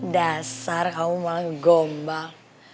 dasar kamu malah ngegombang